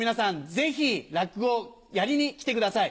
ぜひ落語をやりに来てください。